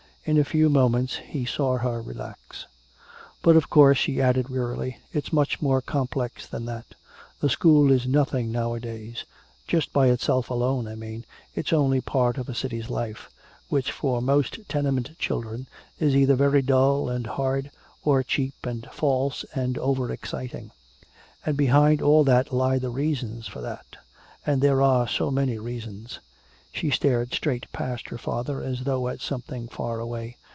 In a few moments he saw her relax. "But of course," she added wearily, "it's much more complex than that. A school is nothing nowadays just by itself alone, I mean it's only a part of a city's life which for most tenement children is either very dull and hard, or cheap and false and overexciting. And behind all that lie the reasons for that. And there are so many reasons." She stared straight past her father as though at something far away.